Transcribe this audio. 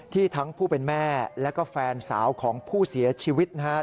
ทั้งผู้เป็นแม่แล้วก็แฟนสาวของผู้เสียชีวิตนะครับ